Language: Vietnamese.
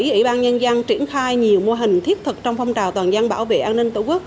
ủy ban nhân dân triển khai nhiều mô hình thiết thực trong phong trào toàn dân bảo vệ an ninh tổ quốc